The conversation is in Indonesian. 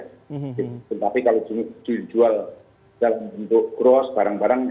jual bentuk kruas barang barang